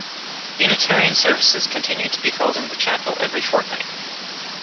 Unitarian services continue to be held in the chapel every fortnight.